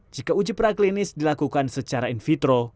jika uji praklinis dilakukan secara in vitro